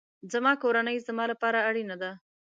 زما کورنۍ زما لپاره اړینه ده